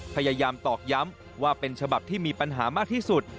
ตอกย้ำว่าเป็นฉบับที่มีปัญหามากที่สุด